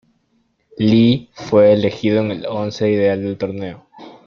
Lee fue elegido en el once ideal del Torneo.